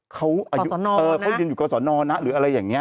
เขาอยู่ก่อสอนอนนะหรืออะไรอย่างนี้